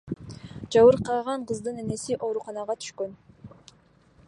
Жабыркаган кыздын энеси ооруканага түшкөн.